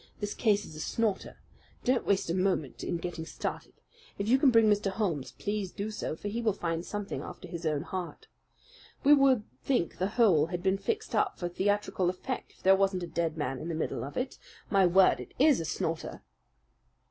This case is a snorter. Don't waste a moment in getting started. If you can bring Mr. Holmes, please do so; for he will find something after his own heart. We would think the whole had been fixed up for theatrical effect if there wasn't a dead man in the middle of it. My word! it IS a snorter."